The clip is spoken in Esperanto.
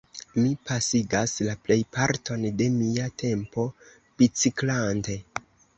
Mi pasigas la plejparton de mia tempo biciklante.